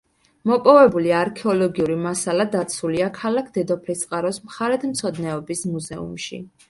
მოპოვებული არქეოლოგიური მასალა დაცულია ქალაქ დედოფლისწყაროს მხარეთმცოდნეობის მუზეუმში.